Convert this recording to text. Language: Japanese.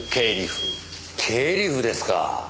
経理夫ですか。